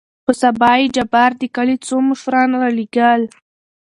په سبا يې جبار دکلي څو مشران رالېږل.